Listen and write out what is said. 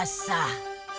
kamu sudah sah